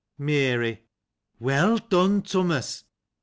Mary. — Well done, Thomas